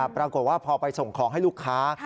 ปรากฏว่าพอไปส่งของให้ลูกค้า